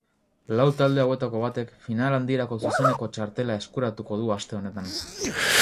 Lau talde hauetako batek final handirako zuzeneko txartela eskuratuko du aste honetan.